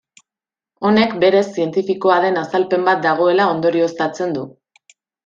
Honek berez zientifikoa den azalpen bat dagoela ondorioztatzen du.